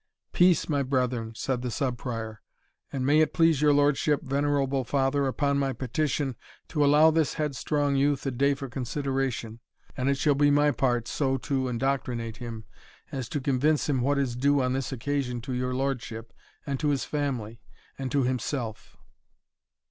"Peace, my brethren," said the Sub Prior; "and may it please your lordship, venerable father, upon my petition, to allow this headstrong youth a day for consideration, and it shall be my part so to indoctrinate him, as to convince him what is due on this occasion to your lordship, and to his family, and to himself."